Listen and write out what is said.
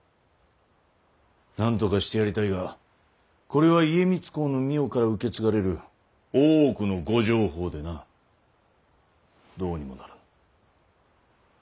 なんとかしてやりたいがこれは家光公の御世から受け継がれる大奥のご定法でなどうにもならぬ。